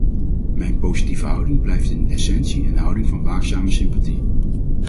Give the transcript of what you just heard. Mijn positieve houding blijft in essentie een houding van waakzame sympathie.